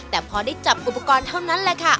แต่พอได้จับอุปกรณ์เท่านั้นแหละค่ะ